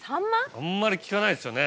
あんまり聞かないですよね。